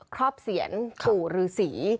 ครอบเสียนปู่รือสี